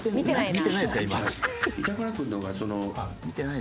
見てないですね。